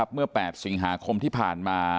เมื่อ๘สิงหาคมที่ผ่านมา